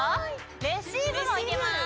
レシーブもうけます。